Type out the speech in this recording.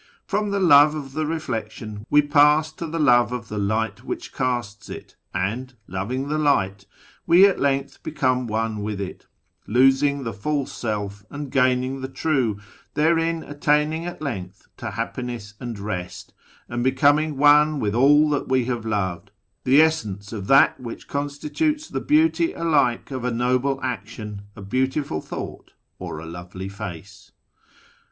From the love of the reflection we pass to the love of the Light which casts it ; and, loving the Light, we at length become one with It, losing the false self and gaining the True, therein attaining at length to happiness and rest, and becoming one with all that we have loved — the Essence of that which constitutes the beauty alike of a noble action, a beautiful thought, or a lovely face.